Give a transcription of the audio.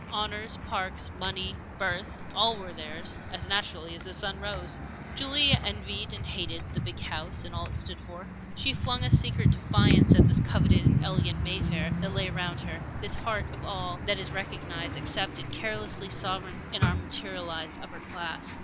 Honors, parks, money, birth all were theirs, as naturally as the sun rose. Julie envied and hated the big house and all it stood for; she flung a secret defiance at this coveted and elegant Mayfair that lay around her, this heart of all that is recognized, accepted, carelessly sovereign in our "materialized" upper class.